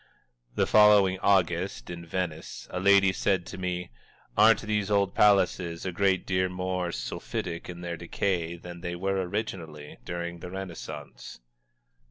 The following August, in Venice, a lady said to me: "Aren't these old palaces a great deal more sulphitic in their decay than they were originally, during the Renaissance?"